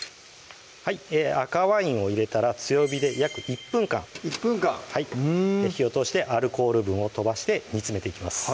赤ワインを入れたら強火で約１分間火を通してアルコール分を飛ばして煮つめていきます